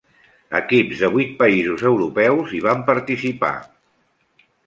Equips de vuit països europeus hi van participar.